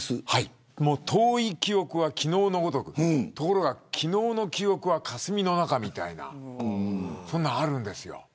遠い記憶は昨日のごとくところが昨日の記憶は霞の中みたいなそんなのがあるんですよ。